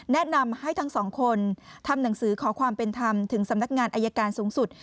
แนะนำให้ทั้งสองคนทำหนังสือขอความเป็นธรรมถึงสำนักงานอายการสูงสุด